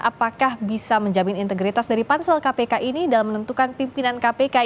apakah bisa menjamin integritas dari pansel kpk ini dalam menentukan pimpinan kpk